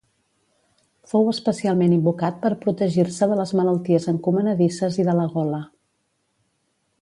Fou especialment invocat per protegir-se de les malalties encomanadisses i de la gola.